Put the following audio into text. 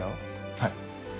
はい。